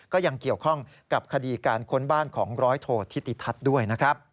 ก็ยังเกี่ยวข้องกับคดีการค้นบ้านของร้อยโทธิติทัศน์ด้วยนะครับ